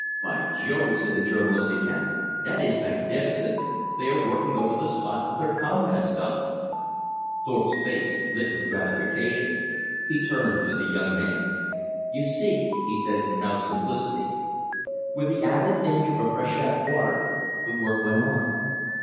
"By Jove!" said the journalist again. "That is magnificent! They are working over the spot where their comrades died!" Thorpe's face lit with gratification. He turned to the young man. "You see," he said in proud simplicity. With the added danger of freshet water, the work went on.